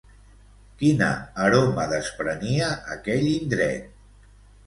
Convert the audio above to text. Quina aroma desprenia aquell indret?